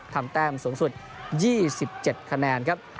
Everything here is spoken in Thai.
แต้มสูงสุด๒๗คะแนนครับ